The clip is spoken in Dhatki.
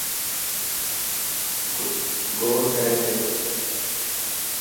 گوڙ ڪري پيو.